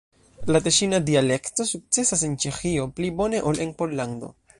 La teŝina dialekto sukcesas en Ĉeĥio pli bone ol en Pollando.